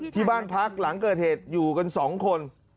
ที่บ้านพักหลังเกิดเหตุอยู่กัน๒คน